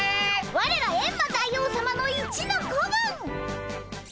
ワレらエンマ大王さまの一の子分！